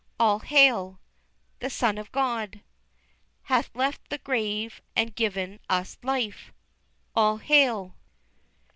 All Hail! The Son of God Hath left the grave and given us Life, All Hail!